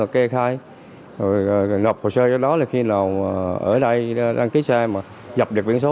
kê khai nộp hồ sơ cái đó là khi nào ở đây đăng ký xe mà nhập được biển số